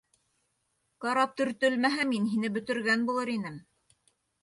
Карап төртөлмәһә, мин һине бөтөргән булыр инем.